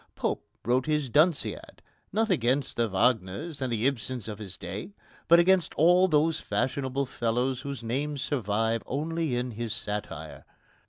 Pope wrote his Dunciad not against the Wagners and Ibsens of his day, but against all those fashionable fellows whose names survive only in his satire.